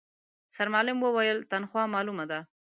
سرمعلم وويل، تنخوا مالومه ده.